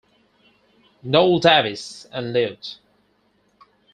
Noel Davis and Lieut.